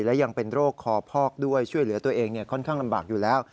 และยังเป็นโรคคอพอกด้วยช่วยเหลือตัวเองค่อนข้างลำบากอยู่แล้ว